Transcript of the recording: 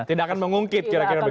tidak akan mengungkit kira kira begitu